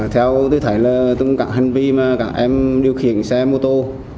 theo tôi thấy tất cả hành vi mà các em điều khiển xe mô tô